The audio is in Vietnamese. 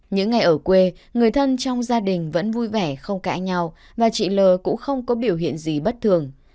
những ngày ở quê người thân trong gia đình vẫn vui vẻ không cãi nhau và chị l cũng không có biểu hiện gì bất thường